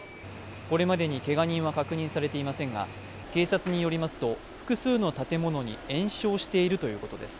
これまでに、けが人は確認されていませんが、警察によりますと複数の建物に延焼しているということです。